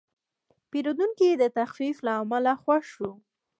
پیرودونکی د تخفیف له امله خوښ شو.